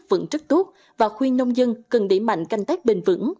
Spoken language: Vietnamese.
vẫn rất tốt và khuyên nông dân cần đẩy mạnh canh tác bền vững